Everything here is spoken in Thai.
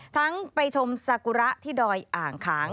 ไปชมสากุระที่ดอยอ่างขาง